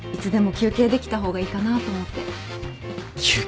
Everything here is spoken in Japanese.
休憩。